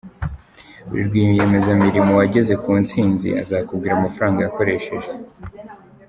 Buri rwiyemezamirimo wageze ku ntsinzi azakubwira amafaranga yakoresheje.